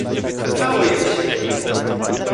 Udało jej się!